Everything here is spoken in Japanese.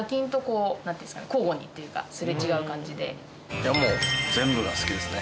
いやもう全部が好きですね。